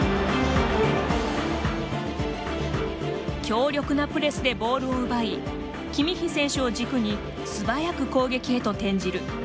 強力なプレスでボールを奪いキミッヒ選手を軸に素早く攻撃へと転じる。